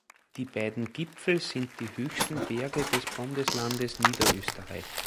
Die beiden Gipfel sind die höchsten Berge des Bundeslandes Niederösterreich.